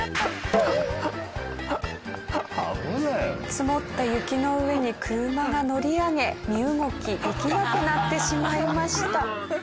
積もった雪の上に車が乗り上げ身動きできなくなってしまいました。